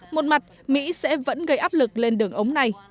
một mặt mỹ sẽ vẫn gây áp lực lên đường ống này